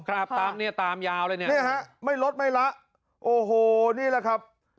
ครับตามเนี้ยตามยาวเลยเนี่ยฮะไม่ลดไม่ละโอ้โหนี่แหละครับ